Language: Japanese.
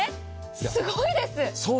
すごいです。